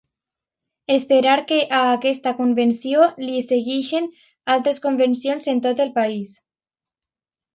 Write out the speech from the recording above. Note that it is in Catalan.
Esperar que a aquesta Convenció li segueixin altres convencions en tot el país.